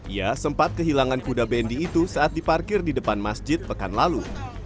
ia sempat kehilangan kuda bendi itu saat diparkir di depan masjid pekan lalu